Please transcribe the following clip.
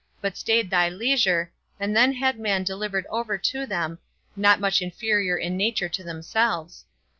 but stayed thy leisure, and then had man delivered over to them, not much inferior in nature to themselves.